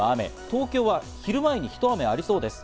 東京は昼前にひと雨ありそうです。